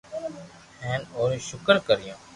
ھين اوري ݾڪر ڪريو